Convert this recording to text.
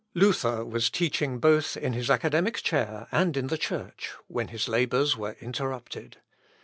Luther was teaching both in his academic chair and in the church, when his labours were interrupted.